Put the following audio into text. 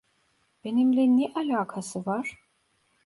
Benimle ne alakası var?